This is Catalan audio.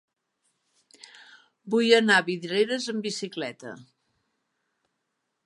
Vull anar a Vidreres amb bicicleta.